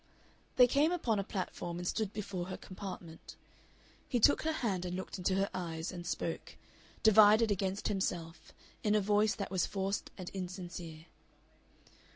They came upon a platform, and stood before her compartment. He took her hand and looked into her eyes and spoke, divided against himself, in a voice that was forced and insincere.